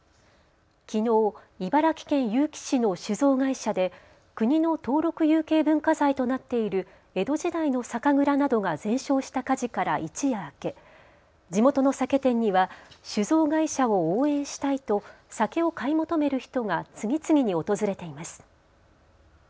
きのう茨城県結城市の酒造会社で国の登録有形文化財となっている江戸時代の酒蔵などが全焼した火事から一夜明け、地元の酒店には酒造会社を応援したいと酒を買い求める人が次々に訪れています。